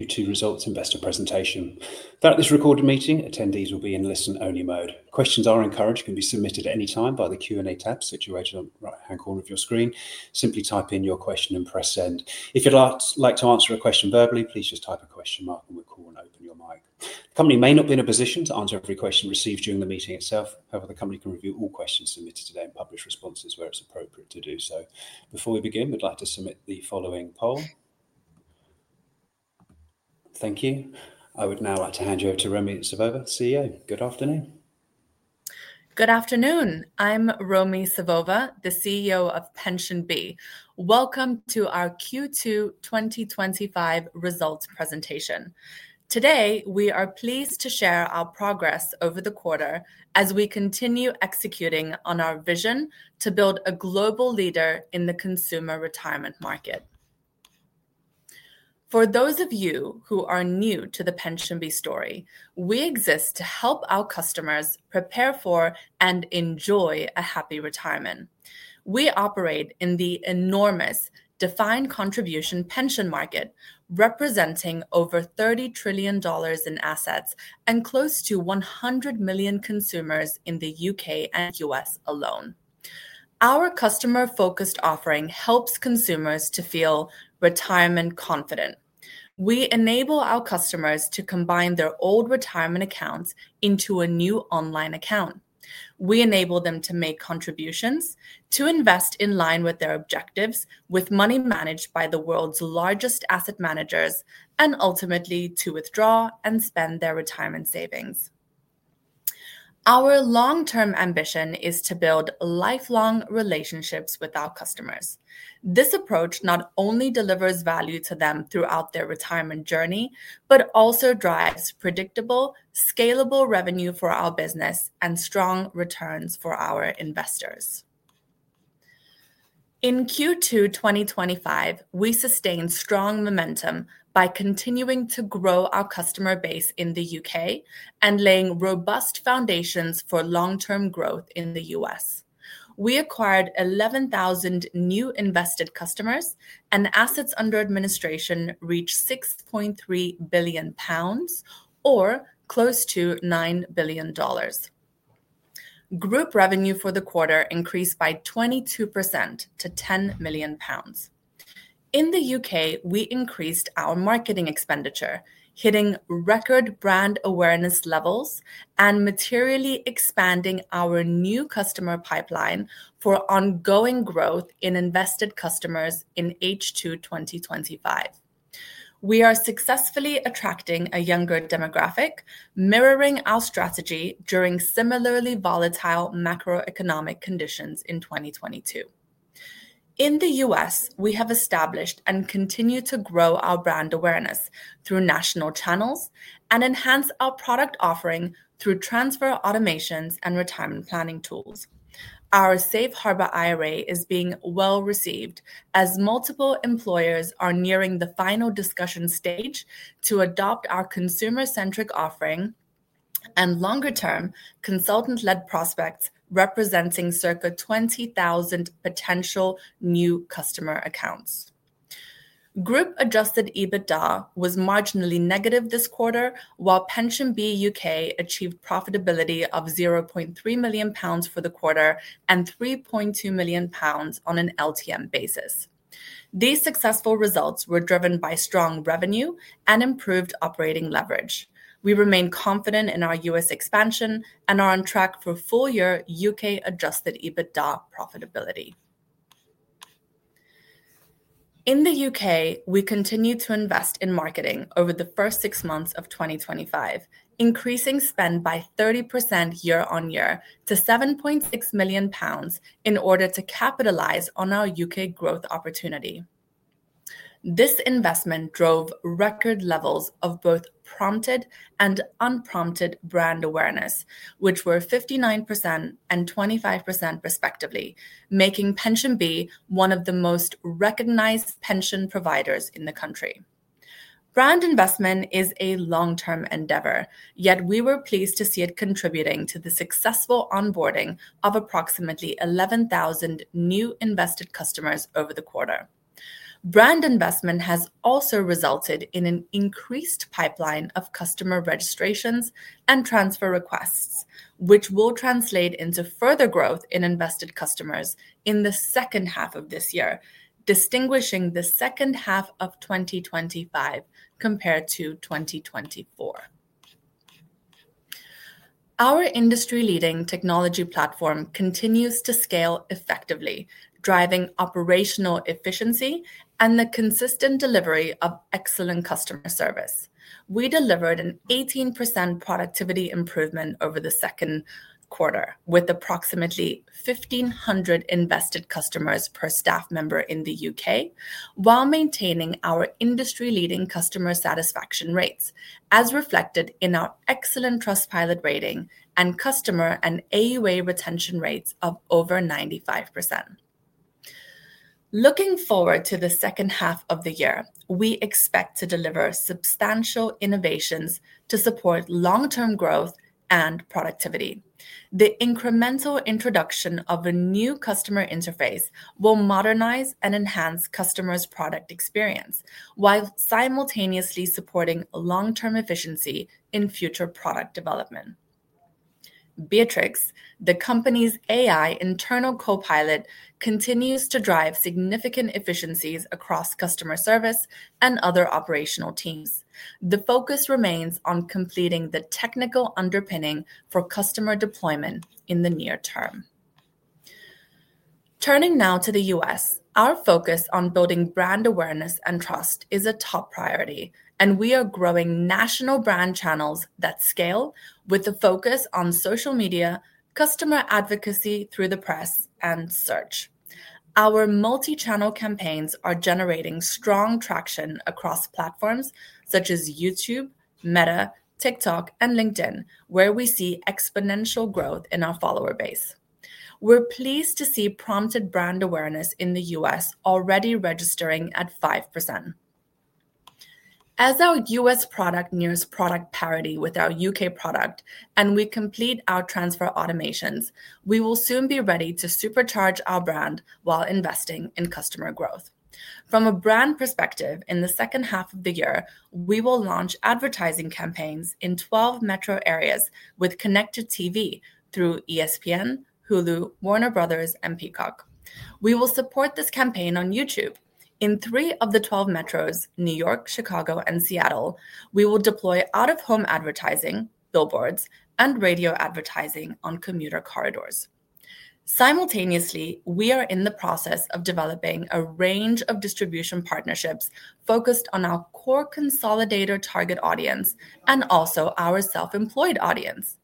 YouTube results investor presentation. Throughout this recorded meeting, attendees will be in listen-only mode. Questions are encouraged and can be submitted at any time by the Q&A tab situated on the right-hand corner of your screen. Simply type in your question and press send. If you'd like to answer a question verbally, please just type a question mark on the call and open your mic. The company may not be in a position to answer every question received during the meeting itself. However, the company can review all questions submitted today and publish responses where it's appropriate to do so. Before we begin, we'd like to submit the following poll. Thank you. I would now like to hand you over to Romi Savova, CEO. Good afternoon. Good afternoon. I'm Romi Savova, the CEO of PensionBee. Welcome to our Q2 2025 results presentation. Today, we are pleased to share our progress over the quarter as we continue executing on our vision to build a global leader in the consumer retirement market. For those of you who are new to the PensionBee story, we exist to help our customers prepare for and enjoy a happy retirement. We operate in the enormous defined contribution pension market, representing over $30 trillion in assets and close to 100 million consumers in the U.K. and U.S. alone. Our customer-focused offering helps consumers to feel retirement confident. We enable our customers to combine their old retirement accounts into a new online account. We enable them to make contributions, to invest in line with their objectives, with money managed by the world's largest asset managers, and ultimately to withdraw and spend their retirement savings. Our long-term ambition is to build lifelong relationships with our customers. This approach not only delivers value to them throughout their retirement journey, but also drives predictable, scalable revenue for our business and strong returns for our investors. In Q2 2025, we sustained strong momentum by continuing to grow our customer base in the U.K. and laying robust foundations for long-term growth in the U.S. We acquired 11,000 new invested customers, and assets under administration reached 6.3 billion pounds, or close to $9 billion. Group revenue for the quarter increased by 22% to 10 million pounds. In the U.K., we increased our marketing expenditure, hitting record brand awareness levels, and materially expanding our new customer pipeline for ongoing growth in invested customers in H2 2025. We are successfully attracting a younger demographic, mirroring our strategy during similarly volatile macroeconomic conditions in 2022. In the U.S., we have established and continue to grow our brand awareness through national channels and enhance our product offering through transfer automations and retirement planning tools. Our Safe Harbor IRA is being well received as multiple employers are nearing the final discussion stage to adopt our consumer-centric offering and longer-term consultant-led prospects representing circa 20,000 potential new customer accounts. Group adjusted EBITDA was marginally negative this quarter, while PensionBee U.K. achieved profitability of 0.3 million pounds for the quarter and 3.2 million pounds on an LTM basis. These successful results were driven by strong revenue and improved operating leverage. We remain confident in our U.S. expansion and are on track for full-year U.K. adjusted EBITDA profitability. In the U.K., we continue to invest in marketing over the first six months of 2025, increasing spend by 30% year-on-year to 7.6 million pounds in order to capitalize on our U.K. growth opportunity. This investment drove record levels of both prompted and unprompted brand awareness, which were 59% and 25% respectively, making PensionBee one of the most recognized pension providers in the country. Brand investment is a long-term endeavor, yet we were pleased to see it contributing to the successful onboarding of approximately 11,000 new invested customers over the quarter. Brand investment has also resulted in an increased pipeline of customer registrations and transfer requests, which will translate into further growth in invested customers in the second half of this year, distinguishing the second half of 2025 compared to 2024. Our industry-leading technology platform continues to scale effectively, driving operational efficiency and the consistent delivery of excellent customer service. We delivered an 18% productivity improvement over the second quarter, with approximately 1,500 invested customers per staff member in the U.K., while maintaining our industry-leading customer satisfaction rates, as reflected in our excellent Trustpilot rating and customer and assets under administration retention rates of over 95%. Looking forward to the second half of the year, we expect to deliver substantial innovations to support long-term growth and productivity. The incremental introduction of a new customer interface will modernize and enhance customers' product experience, while simultaneously supporting long-term efficiency in future product development. Beatrix, the company's AI internal copilot, continues to drive significant efficiencies across customer service and other operational teams. The focus remains on completing the technical underpinning for customer deployment in the near term. Turning now to the U.S., our focus on building brand awareness and trust is a top priority, and we are growing national brand channels that scale with a focus on social media, customer advocacy through the press, and search. Our multi-channel campaigns are generating strong traction across platforms such as YouTube, Meta, TikTok, and LinkedIn, where we see exponential growth in our follower base. We're pleased to see prompted brand awareness in the U.S. already registering at 5%. As our U.S. product nears product parity with our U.K. product, and we complete our transfer automations, we will soon be ready to supercharge our brand while investing in customer growth. From a brand perspective, in the second half of the year, we will launch advertising campaigns in 12 metro areas with connected TV through ESPN, Hulu, Warner Brothers, and Peacock. We will support this campaign on YouTube. In three of the 12 metros, New York, Chicago, and Seattle, we will deploy out-of-home advertising, billboards, and radio advertising on commuter corridors. Simultaneously, we are in the process of developing a range of distribution partnerships focused on our core consolidator target audience and also our self-employed audience.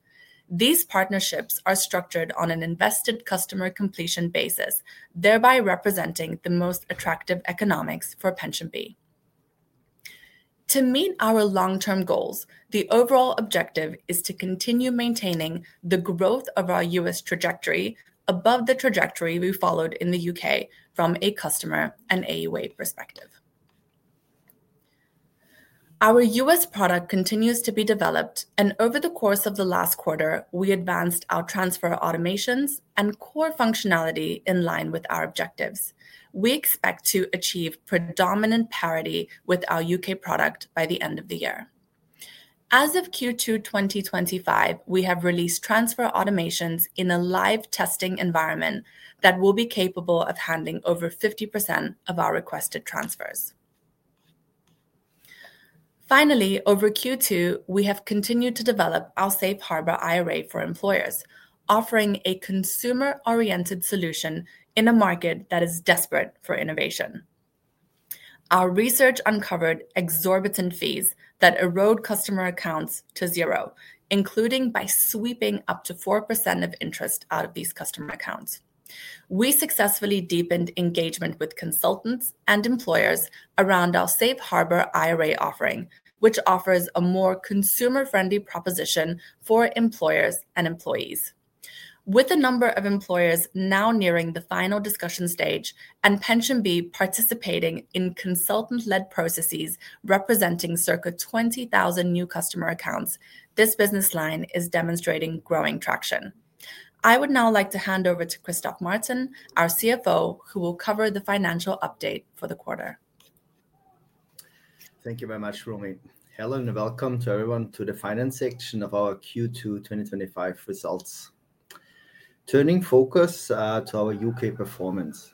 These partnerships are structured on an invested customer completion basis, thereby representing the most attractive economics for PensionBee. To meet our long-term goals, the overall objective is to continue maintaining the growth of our U.S. trajectory above the trajectory we followed in the U.K. from a customer and assets under administration perspective. Our U.S. product continues to be developed, and over the course of the last quarter, we advanced our transfer automations and core functionality in line with our objectives. We expect to achieve predominant parity with our U.K. product by the end of the year. As of Q2 2025, we have released transfer automations in a live testing environment that will be capable of handling over 50% of our requested transfers. Finally, over Q2, we have continued to develop our Safe Harbor IRA for employers, offering a consumer-oriented solution in a market that is desperate for innovation. Our research uncovered exorbitant fees that erode customer accounts to zero, including by sweeping up to 4% of interest out of these customer accounts. We successfully deepened engagement with consultants and employers around our Safe Harbor IRA offering, which offers a more consumer-friendly proposition for employers and employees. With a number of employers now nearing the final discussion stage and PensionBee participating in consultant-led processes representing circa 20,000 new customer accounts, this business line is demonstrating growing traction. I would now like to hand over to Christoph Martin, our CFO, who will cover the financial update for the quarter. Thank you very much, Romi. Hello and welcome to everyone to the finance section of our Q2 2025 results. Turning focus to our U.K. performance.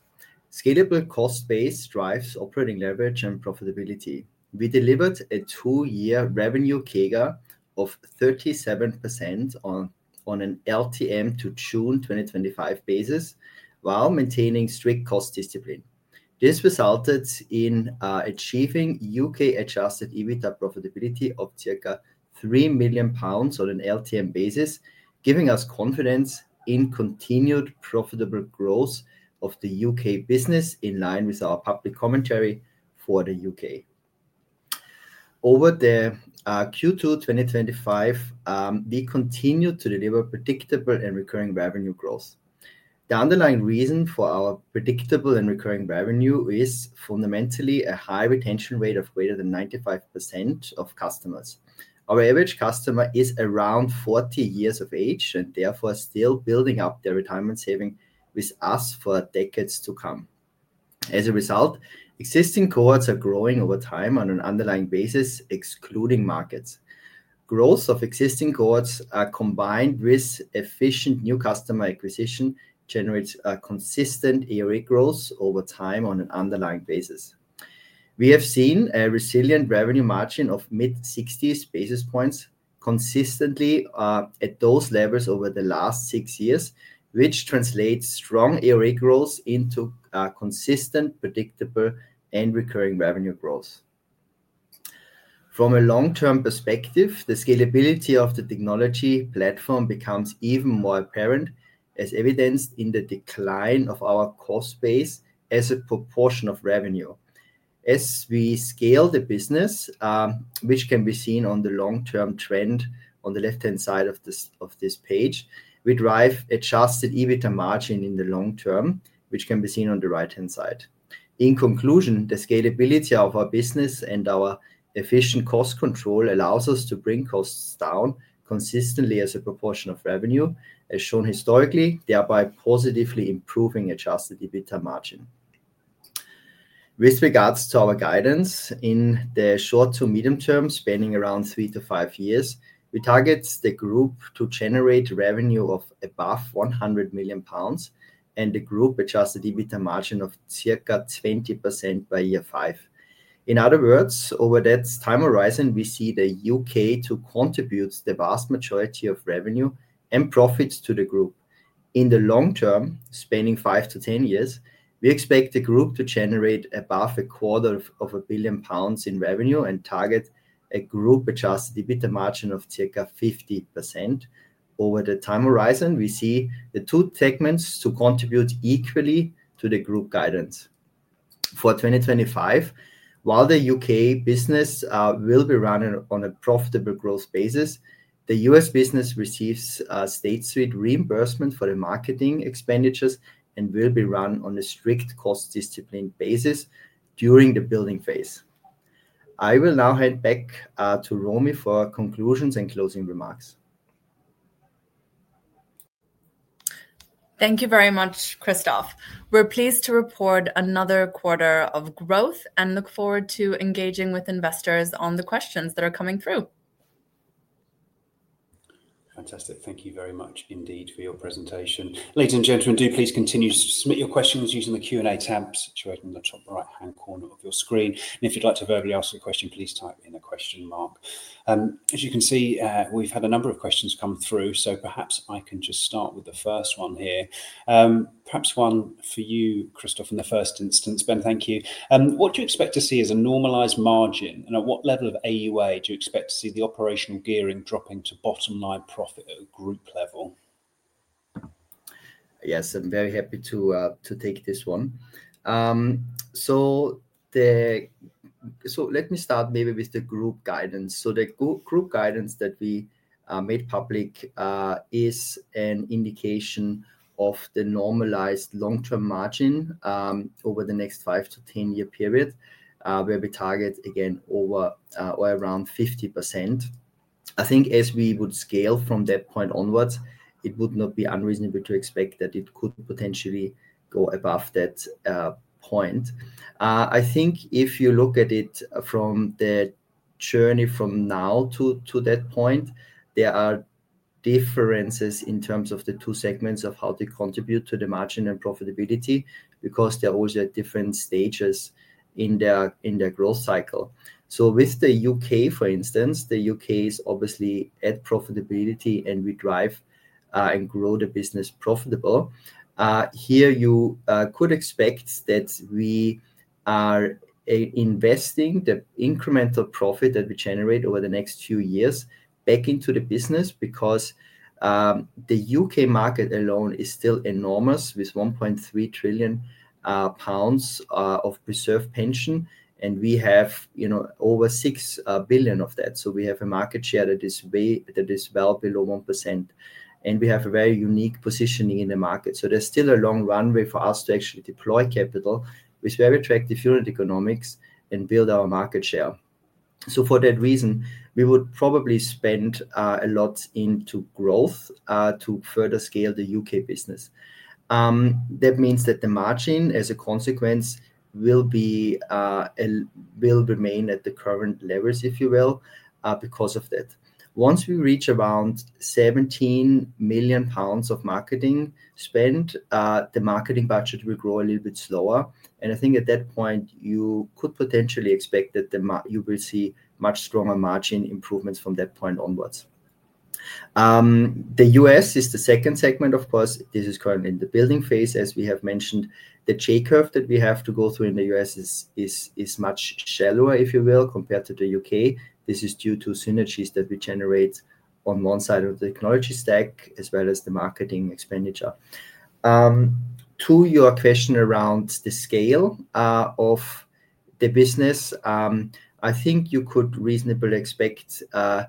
Scalable cost base drives operating leverage and profitability. We delivered a two-year revenue CAGR of 37% on an LTM to June 2025 basis while maintaining strict cost discipline. This resulted in achieving U.K. adjusted EBITDA profitability of circa 3 million pounds on an LTM basis, giving us confidence in continued profitable growth of the U.K. business in line with our public commentary for the U.K. Over Q2 2025, we continue to deliver predictable and recurring revenue growth. The underlying reason for our predictable and recurring revenue is fundamentally a high retention rate of greater than 95% of customers. Our average customer is around 40 years of age and therefore still building up their retirement savings with us for decades to come. As a result, existing cohorts are growing over time on an underlying basis, excluding markets. Growth of existing cohorts combined with efficient new customer acquisition generates a consistent IRA growth over time on an underlying basis. We have seen a resilient revenue margin of mid-60 basis points consistently at those levels over the last six years, which translates strong IRA growth into consistent, predictable, and recurring revenue growth. From a long-term perspective, the scalability of the technology platform becomes even more apparent, as evidenced in the decline of our cost base as a proportion of revenue. As we scale the business, which can be seen on the long-term trend on the left-hand side of this page, we drive adjusted EBITDA margin in the long term, which can be seen on the right-hand side. In conclusion, the scalability of our business and our efficient cost control allows us to bring costs down consistently as a proportion of revenue, as shown historically, thereby positively improving adjusted EBITDA margin. With regards to our guidance, in the short to medium term, spanning around three to five years, we target the group to generate revenue of above 100 million pounds, and the group adjusted EBITDA margin of circa 20% by year five. In other words, over that time horizon, we see the U.K. to contribute the vast majority of revenue and profits to the group. In the long term, spanning five to ten years, we expect the group to generate above a quarter of a billion pounds in revenue and target a group adjusted EBITDA margin of circa 50%. Over the time horizon, we see the two segments to contribute equally to the group guidance. For 2025, while the U.K. business will be run on a profitable growth basis, the U.S. business receives State Street reimbursement for the marketing expenditures and will be run on a strict cost discipline basis during the building phase. I will now hand back to Romi for our conclusions and closing remarks. Thank you very much, Christoph. We're pleased to report another quarter of growth and look forward to engaging with investors on the questions that are coming through. Fantastic. Thank you very much indeed for your presentation. Ladies and gentlemen, do please continue to submit your questions using the Q&A tab situated in the top right-hand corner of your screen. If you'd like to verbally ask a question, please type in a question mark. As you can see, we've had a number of questions come through, so perhaps I can just start with the first one here. Perhaps one for you, Christoph, in the first instance. Ben, thank you. What do you expect to see as a normalized margin? At what level of assets under administration do you expect to see the operational gearing dropping to bottom line profit at a group level? Yes, I'm very happy to take this one. Let me start maybe with the group guidance. The group guidance that we made public is an indication of the normalized long-term margin over the next five to ten-year period, where we target again over or around 50%. I think as we would scale from that point onwards, it would not be unreasonable to expect that it could potentially go above that point. If you look at it from the journey from now to that point, there are differences in terms of the two segments of how they contribute to the margin and profitability because they're always at different stages in their growth cycle. With the U.K., for instance, the U.K. is obviously at profitability and we drive and grow the business profitable. Here you could expect that we are investing the incremental profit that we generate over the next few years back into the business because the U.K. market alone is still enormous with 1.3 trillion pounds of reserve pension, and we have, you know, over 6 billion of that. We have a market share that is well below 1%, and we have a very unique positioning in the market. There's still a long runway for us to actually deploy capital with very attractive unit economics and build our market share. For that reason, we would probably spend a lot into growth to further scale the U.K. business. That means that the margin as a consequence will remain at the current levels, if you will, because of that. Once we reach around 17 million pounds of marketing spend, the marketing budget will grow a little bit slower, and I think at that point you could potentially expect that you will see much stronger margin improvements from that point onwards. The U.S. is the second segment, of course. This is currently in the building phase. As we have mentioned, the J-curve that we have to go through in the U.S. is much shallower, if you will, compared to the U.K. This is due to synergies that we generate on one side of the technology stack as well as the marketing expenditure. To your question around the scale of the business, I think you could reasonably expect that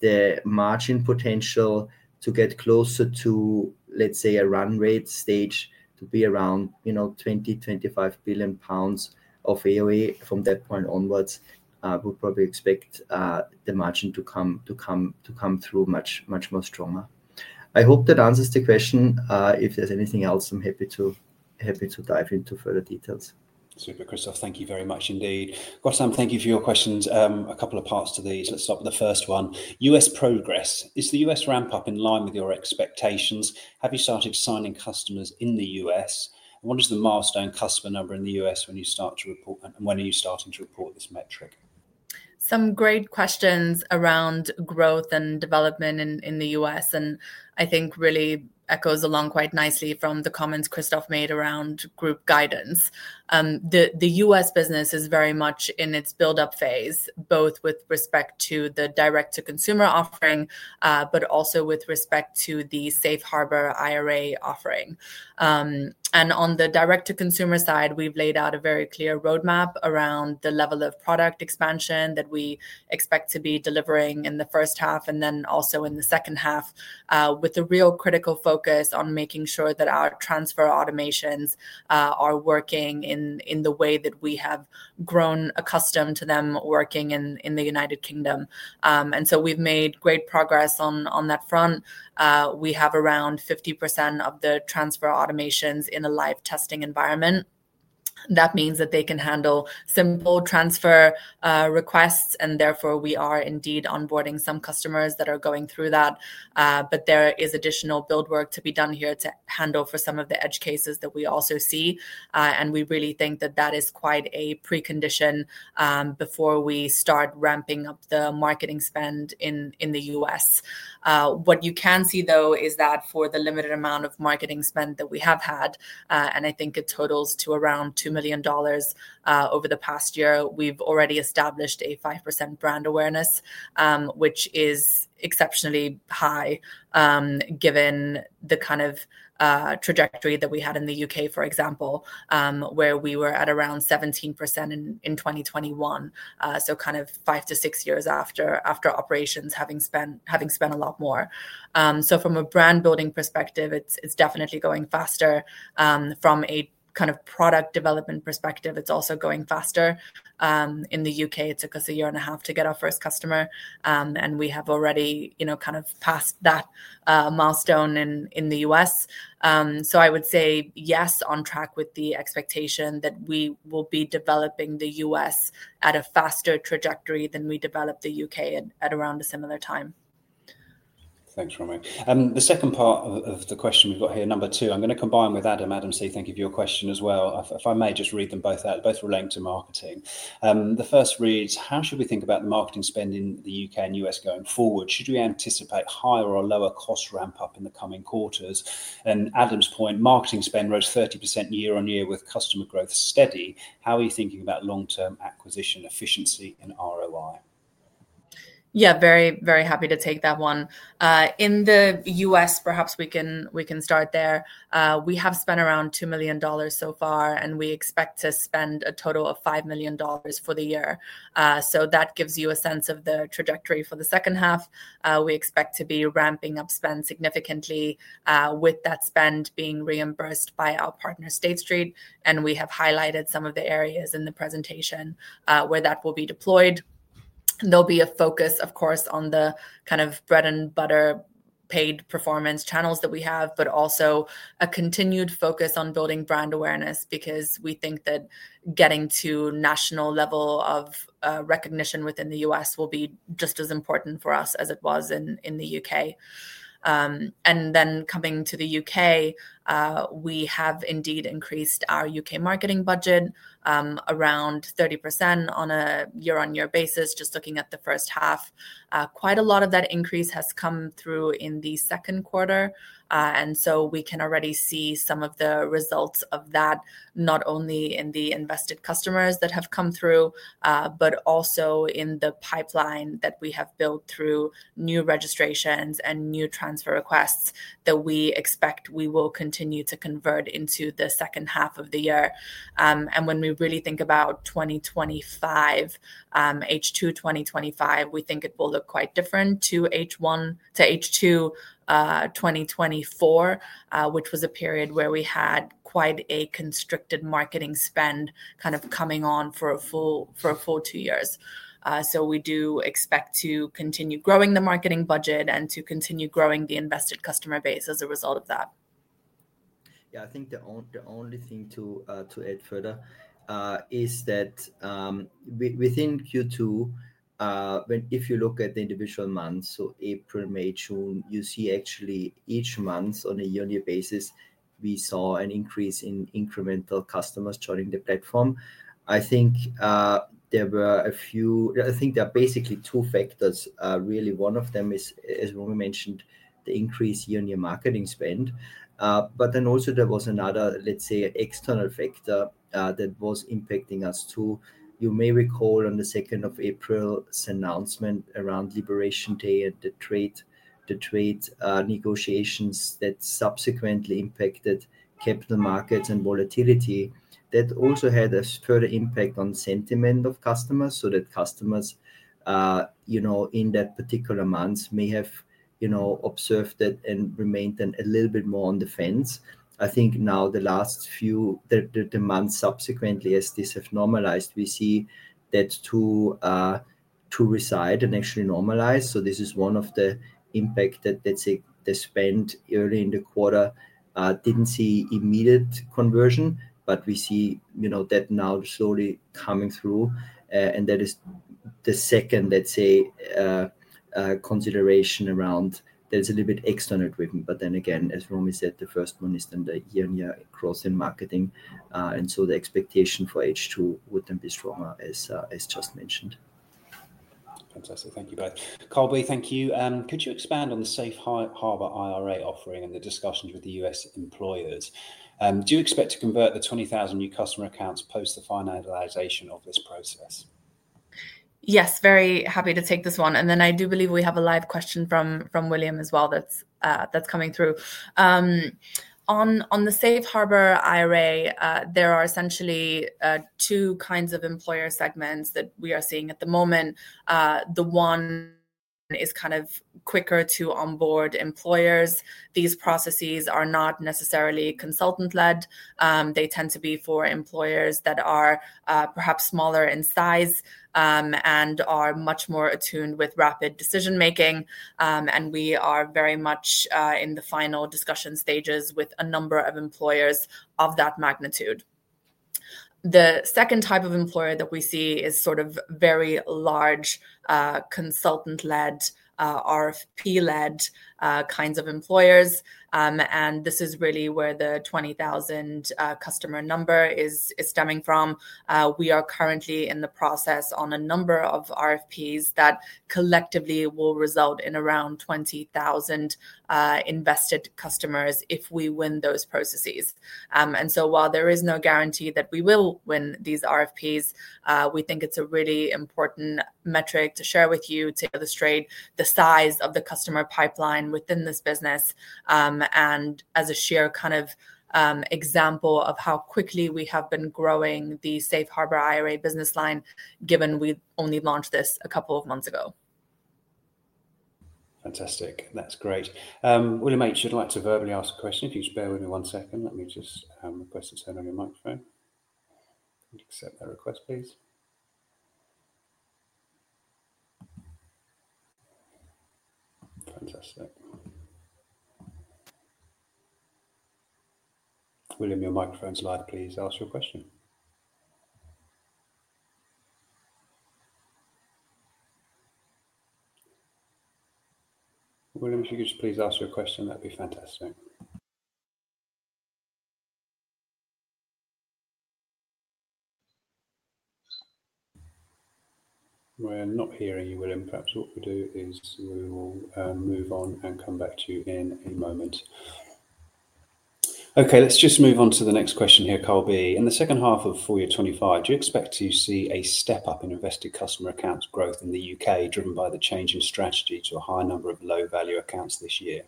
the margin potential to get closer to, let's say, a run rate stage to be around, you know, 20 billion-25 billion pounds of assets under administration from that point onwards, we'll probably expect the margin to come through much, much more stronger. I hope that answers the question. If there's anything else, I'm happy to dive into further details. Super, Christoph. Thank you very much indeed. Ghassam, thank you for your questions. A couple of parts to these. Let's start with the first one. U.S. progress. Is the U.S. ramp-up in line with your expectations? Have you started signing customers in the U.S.? What is the milestone customer number in the U.S. when you start to report, and when are you starting to report this metric? Some great questions around growth and development in the U.S., and I think really echoes along quite nicely from the comments Christoph made around group guidance. The U.S. business is very much in its build-up phase, both with respect to the direct-to-consumer offering, but also with respect to the Safe Harbor IRA offering. On the direct-to-consumer side, we've laid out a very clear roadmap around the level of product expansion that we expect to be delivering in the first half and then also in the second half, with a real critical focus on making sure that our transfer automations are working in the way that we have grown accustomed to them working in the United Kingdom. We've made great progress on that front. We have around 50% of the transfer automations in a live testing environment. That means that they can handle simple transfer requests, and therefore we are indeed onboarding some customers that are going through that. There is additional build work to be done here to handle for some of the edge cases that we also see. We really think that that is quite a precondition before we start ramping up the marketing spend in the U.S. What you can see, though, is that for the limited amount of marketing spend that we have had, and I think it totals to around $2 million over the past year, we've already established a 5% brand awareness, which is exceptionally high given the kind of trajectory that we had in the U.K., for example, where we were at around 17% in 2021, five to six years after operations having spent a lot more. From a brand building perspective, it's definitely going faster. From a kind of product development perspective, it's also going faster. In the U.K., it took us a year and a half to get our first customer, and we have already kind of passed that milestone in the U.S. I would say yes, on track with the expectation that we will be developing the U.S. at a faster trajectory than we developed the U.K. at around a similar time. Thanks, Romi. The second part of the question we've got here, number two, I'm going to combine with Adam. Adam, so you think of your question as well. If I may just read them both out, both relating to marketing. The first reads, how should we think about marketing spend in the U.K. and U.S. going forward? Should we anticipate higher or lower cost ramp-up in the coming quarters? Adam's point, marketing spend rose 30% year-on-year with customer growth steady. How are you thinking about long-term acquisition efficiency and ROI? Yeah, very, very happy to take that one. In the U.S., perhaps we can start there. We have spent around $2 million so far, and we expect to spend a total of $5 million for the year. That gives you a sense of the trajectory for the second half. We expect to be ramping up spend significantly with that spend being reimbursed by our partner, State Street. We have highlighted some of the areas in the presentation where that will be deployed. There will be a focus, of course, on the kind of bread and butter paid performance channels that we have, but also a continued focus on building brand awareness because we think that getting to national level of recognition within the U.S. will be just as important for us as it was in the U.K. Coming to the U.K., we have indeed increased our U.K. marketing budget around 30% on a year-on-year basis, just looking at the first half. Quite a lot of that increase has come through in the second quarter. We can already see some of the results of that, not only in the invested customers that have come through, but also in the pipeline that we have built through new registrations and new transfer requests that we expect we will continue to convert into the second half of the year. When we really think about 2025, H2 2025, we think it will look quite different to H2 2024, which was a period where we had quite a constricted marketing spend kind of coming on for a full two years. We do expect to continue growing the marketing budget and to continue growing the invested customer base as a result of that. Yeah, I think the only thing to add further is that within Q2, if you look at the individual months, so April, May, June, you see actually each month on a year-on-year basis, we saw an increase in incremental customers joining the platform. I think there were a few, I think there are basically two factors. Really, one of them is, as Romi mentioned, the increased year-on-year marketing spend. There was another, let's say, external factor that was impacting us too. You may recall on the 2nd of April's announcement around Liberation Day and the trade negotiations that subsequently impacted capital markets and volatility. That also had a further impact on sentiment of customers so that customers, you know, in that particular month may have, you know, observed that and remained a little bit more on the fence. I think now the last few months subsequently, as this has normalized, we see that to reside and actually normalize. This is one of the impacts that, let's say, the spend early in the quarter didn't see immediate conversion, but we see, you know, that now slowly coming through. That is the second, let's say, consideration around that is a little bit external driven. As Romi said, the first one is then the year-on-year growth in marketing. The expectation for H2 would then be stronger, as just mentioned. Fantastic. Thank you, both. Colby, thank you. Could you expand on the Safe Harbor IRA offering and the discussions with the U.S. employers? Do you expect to convert the 20,000 new customer accounts post the finalization of this process? Yes, very happy to take this one. I do believe we have a live question from William as well that's coming through. On the Safe Harbor IRA, there are essentially two kinds of employer segments that we are seeing at the moment. The one is kind of quicker to onboard employers. These processes are not necessarily consultant-led. They tend to be for employers that are perhaps smaller in size and are much more attuned with rapid decision-making. We are very much in the final discussion stages with a number of employers of that magnitude. The second type of employer that we see is sort of very large consultant-led, RFP-led kinds of employers. This is really where the 20,000 customer number is stemming from. We are currently in the process on a number of RFPs that collectively will result in around 20,000 invested customers if we win those processes. While there is no guarantee that we will win these RFPs, we think it's a really important metric to share with you to illustrate the size of the customer pipeline within this business. As a sheer kind of example of how quickly we have been growing the Safe Harbor IRA business line, given we only launched this a couple of months ago. Fantastic. That's great. William H., you'd like to verbally ask a question? If you just bear with me one second, let me just request a turn on your microphone. You can accept that request, please. Fantastic. William, your microphone's live, please ask your question. William, if you could just please ask your question, that'd be fantastic. I am not hearing you, William. Perhaps what we do is we will move on and come back to you in a moment. Okay, let's just move on to the next question here, Colby. In the second half of 2025, do you expect to see a step up in invested customer accounts growth in the U.K. driven by the change in strategy to a high number of low-value accounts this year?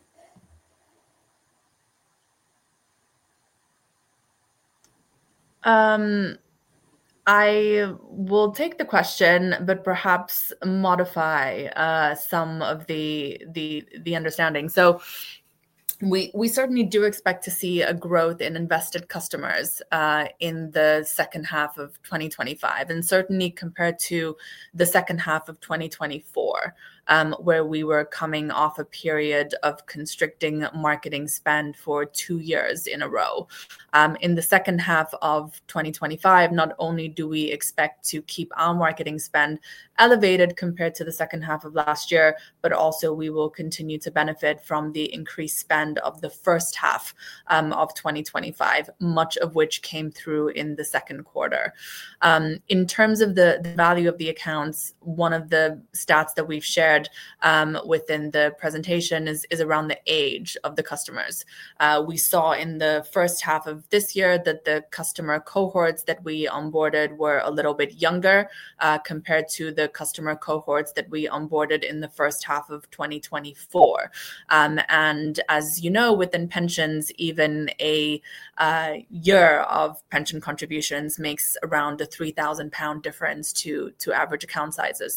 I will take the question, but perhaps modify some of the understanding. We certainly do expect to see a growth in invested customers in the second half of 2025, and certainly compared to the second half of 2024, where we were coming off a period of constricting marketing spend for two years in a row. In the second half of 2025, not only do we expect to keep our marketing spend elevated compared to the second half of last year, but also we will continue to benefit from the increased spend of the first half of 2025, much of which came through in the second quarter. In terms of the value of the accounts, one of the stats that we've shared within the presentation is around the age of the customers. We saw in the first half of this year that the customer cohorts that we onboarded were a little bit younger compared to the customer cohorts that we onboarded in the first half of 2024. As you know, within pensions, even a year of pension contributions makes around a 3,000 pound difference to average account sizes.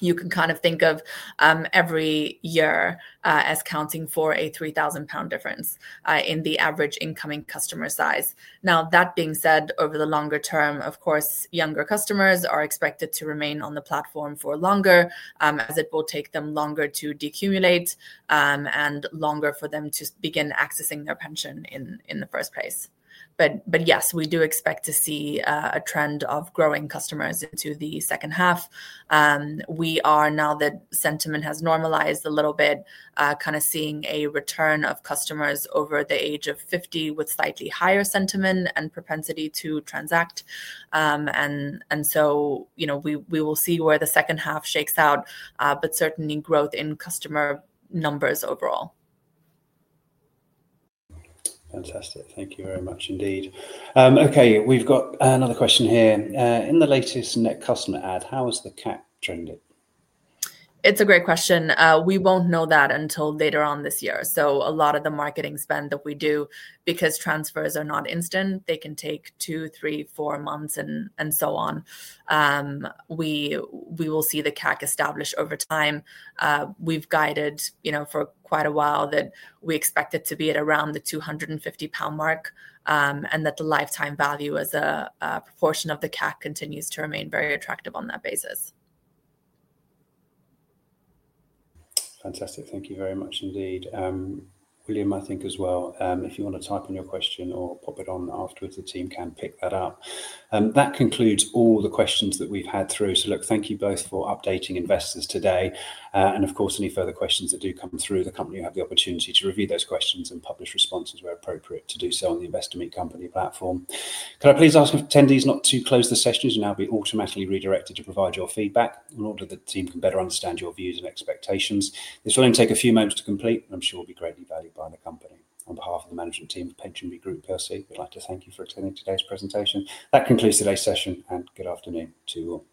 You can kind of think of every year as counting for a 3,000 pound difference in the average incoming customer size. That being said, over the longer term, of course, younger customers are expected to remain on the platform for longer, as it will take them longer to decumulate and longer for them to begin accessing their pension in the first place. Yes, we do expect to see a trend of growing customers into the second half. Now that sentiment has normalized a little bit, we are kind of seeing a return of customers over the age of 50 with slightly higher sentiment and propensity to transact. We will see where the second half shakes out, but certainly growth in customer numbers overall. Fantastic. Thank you very much indeed. Okay, we've got another question here. In the latest net customer add, how has the CAC trended? It's a great question. We won't know that until later on this year. A lot of the marketing spend that we do, because transfers are not instant, can take two, three, four months, and so on. We will see the CAC establish over time. We've guided, you know, for quite a while that we expect it to be at around the 250 pound mark, and that the lifetime value as a proportion of the CAC continues to remain very attractive on that basis. Fantastic. Thank you very much indeed. William, I think as well, if you want to type in your question or pop it on afterwards, the team can pick that up. That concludes all the questions that we've had through. Thank you both for updating investors today. Of course, any further questions that do come through, the company will have the opportunity to review those questions and publish responses where appropriate to do so on the Investor Meet Company platform. Can I please ask attendees not to close the sessions? You'll now be automatically redirected to provide your feedback in order that the team can better understand your views and expectations. This will only take a few moments to complete, and I'm sure it will be greatly valued by the company. On behalf of the management team of PensionBee Group, we'd like to thank you for attending today's presentation. That concludes today's session, and good afternoon to all.